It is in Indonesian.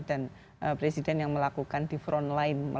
dan presiden yang melakukan di front line